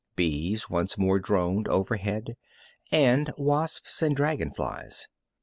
Bees once more droned overhead, and wasps and dragon flies.